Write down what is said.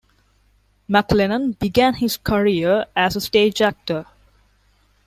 MacLennan began his career as a stage actor.